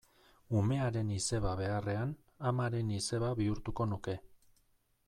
Umearen izeba beharrean, amaren izeba bihurtuko nuke.